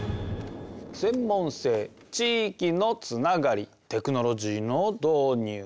「専門性」「地域のつながり」「テクノロジーの導入！」。